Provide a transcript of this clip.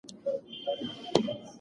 ایا سوله په ژوند اغېز لري؟